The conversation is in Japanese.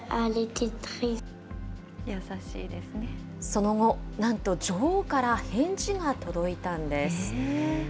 その後、なんと女王から返事が届いたんです。